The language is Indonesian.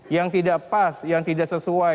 yang tidak pas yang tidak sesuai